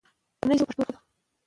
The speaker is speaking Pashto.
لیکوال د پوهانو نظرونه راټول کړي دي.